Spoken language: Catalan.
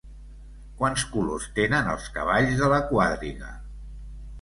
Quants colors tenen els cavalls de la quadriga?